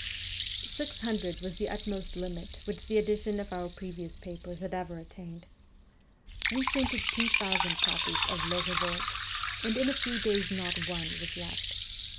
Six hundred was the utmost limit which the edition of our previous papers had ever attained. We printed two thousand copies of 'Le Eevolte,' and in a few days not one was left.